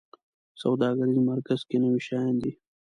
سوداګریز مرکز کې نوي شیان دي